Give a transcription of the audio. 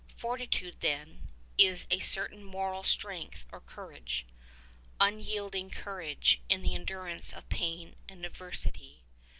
Fortitude, then, is a certain moral strength or courage — unyielding courage in the endurance of pain and adversity.